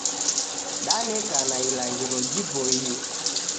Danekana ilaghiro jiboie.